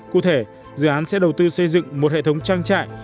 cụ thể dự án sẽ đầu tư xây dựng một hệ thống trang trại